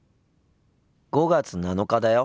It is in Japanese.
５月７日だよ。